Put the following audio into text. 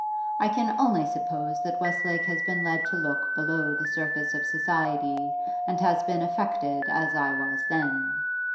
I can only suppose that Westlake has been led to look below the surface of society and has been affected as I was then.